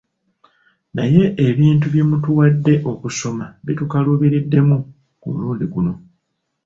Naye ebintu bye mutuwadde okusoma bitukaluubiriddemu ku mulundi guno.